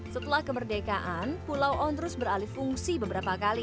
setelah kemerdekaan pulau ondrus beralih fungsi beberapa kali